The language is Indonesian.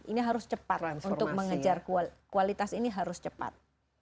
ini harus cepat untuk mengejar kualitas ini harus cepat